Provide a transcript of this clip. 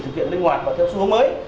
thực hiện linh hoạt và theo xu hướng mới